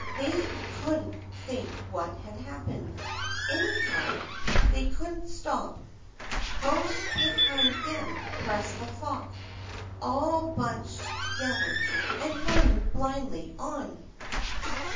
They couldn't think what had happened. Anyhow, they couldn't stop. Close behind them pressed the flock, all bunched together and hurrying blindly on.